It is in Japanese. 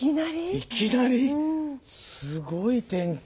いきなりすごい展開。